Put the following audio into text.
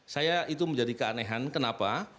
saya itu menjadi keanehan kenapa